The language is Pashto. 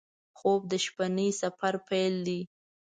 خوب د شپهني سفر پیل دی